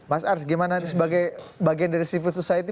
mas ars gimana sebagai bagian dari civil society